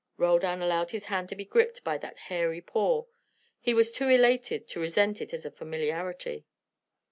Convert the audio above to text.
Roldan allowed his hand to be gripped by that hairy paw; he was too elated to resent it as a familiarity.